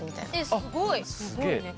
すごいね。